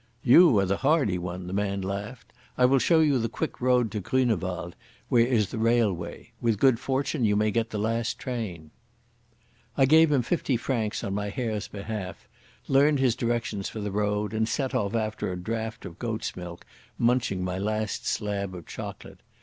"You are the hardy one," the man laughed. "I will show you the quick road to Grünewald, where is the railway. With good fortune you may get the last train." I gave him fifty francs on my Herr's behalf, learned his directions for the road, and set off after a draught of goat's milk, munching my last slab of chocolate.